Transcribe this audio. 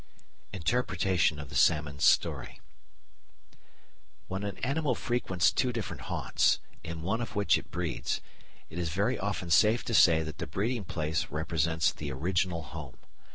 Interpretation of the Salmon's Story When an animal frequents two different haunts, in one of which it breeds, it is very often safe to say that the breeding place represents the original home.